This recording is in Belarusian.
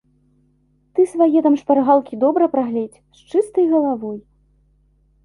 Ты свае там шпаргалкі добра прагледзь, з чыстай галавой!